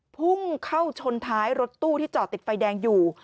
พุ่งเข้าชนท้ายรถตู้ที่จอดติดไฟแดงอยู่